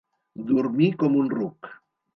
Dormir com un ruc.